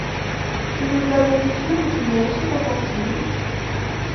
Tu veux de la confiture ou du miel sur ta tartine?